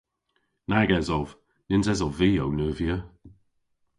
Nag esov. Nyns esov vy ow neuvya.